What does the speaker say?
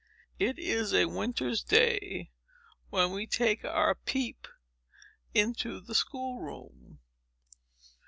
It is a winter's day when we take our peep into the school room.